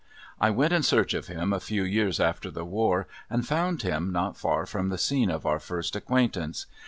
I went in search of him a few years after the war, and found him not far from the scene of our first acquaintance.